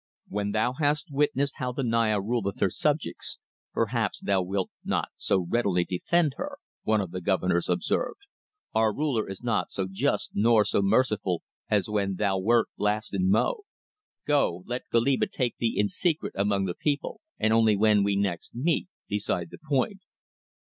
"When thou hast witnessed how the Naya ruleth her subjects, perhaps thou wilt not so readily defend her," one of the Governors observed. "Our ruler is not so just nor so merciful as when thou wert last in Mo. Go, let Goliba take thee in secret among the people, and only when we next meet decide the point."